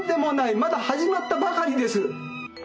まだ始まったばかりです。